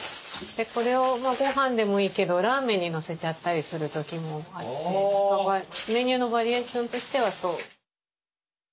これをごはんでもいいけどラーメンにのせちゃったりする時もあってメニューのバリエーションとしてはそう。